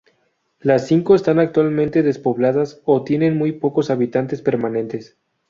Las cinco están actualmente despobladas o tienen muy pocos habitantes permanentes.